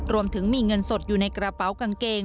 รวมถึงมีเงินสดอยู่ในกระเป๋ากางเกง